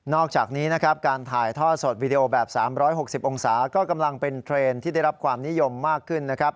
อกจากนี้นะครับการถ่ายทอดสดวีดีโอแบบ๓๖๐องศาก็กำลังเป็นเทรนด์ที่ได้รับความนิยมมากขึ้นนะครับ